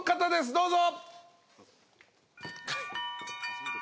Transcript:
どうぞ。